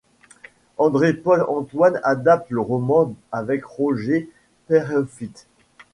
André-Paul Antoine adapte le roman avec Roger Peyrefitte.